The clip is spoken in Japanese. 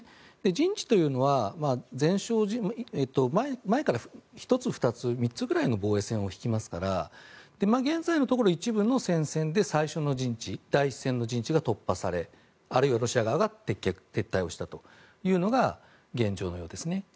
陣地というのは前から１つ、２つ、３つくらいの防衛線を引きますから現在のところ一部の戦線で最初の陣地第１線の陣地が突破されあるいはロシア側が撤退したというのが現状のようですね。